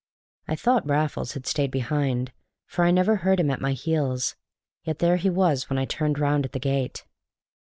I thought Raffles had stayed behind, for I never heard him at my heels, yet there he was when I turned round at the gate.